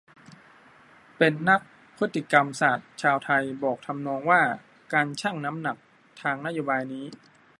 เป็นนักพฤติกรรมศาสตร์ชาวไทย บอกทำนองว่า การชั่งน้ำหนักทางนโยบายนี้